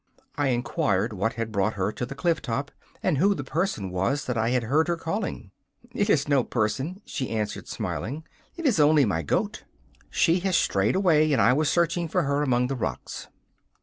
I inquired what had brought her to the cliff top, and who the person was that I had heard her calling. 'It is no person,' she answered, smiling; 'it is only my goat. She has strayed away, and I was searching for her among the rocks.